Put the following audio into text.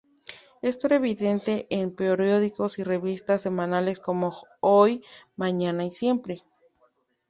Esto era evidente en periódicos y revistas semanales como "Hoy", "Mañana" y "Siempre!